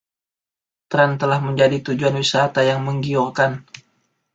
Treen telah menjadi tujuan wisata yang menggiurkan.